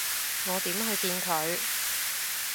我點去見佢？